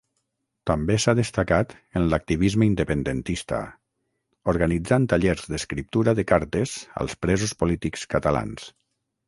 També s'ha destacat en l'activisme independentista, organitzant tallers d’escriptura de cartes als presos polítics catalans.